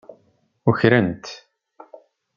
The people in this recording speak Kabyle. Ukren-t.